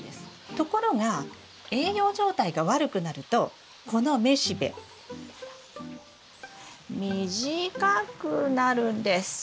ところが栄養状態が悪くなるとこの雌しべ短くなるんです。